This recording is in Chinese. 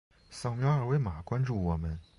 扫描二维码关注我们。